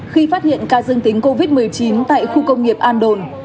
khi phát hiện ca dương tính covid một mươi chín tại khu công nghiệp an đồn